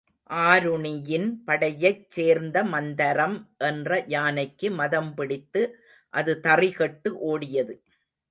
ஆருணியின் படையைச் சேர்ந்த மந்தரம் என்ற யானைக்கு மதம் பிடித்து அது தறிகெட்டு ஓடியது.